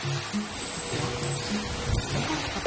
実はそれが。